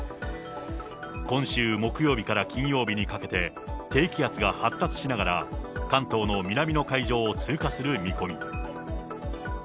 今週木曜日から金曜日にかけて、低気圧が発達しながら、関東の南の海上を通過する見込み。